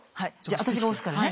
私が押すからね。